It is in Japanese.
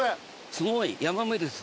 すごいヤマメです。